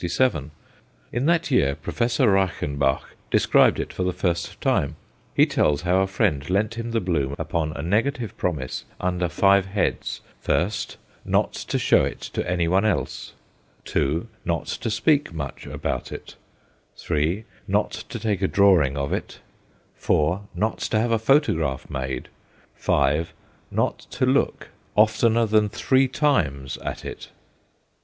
In that year Professor Reichenbach described it for the first time. He tells how a friend lent him the bloom upon a negative promise under five heads "First, not to show it to any one else; (2) not to speak much about it; (3) not to take a drawing of it; (4) not to have a photograph made; (5) not to look oftener than three times at it."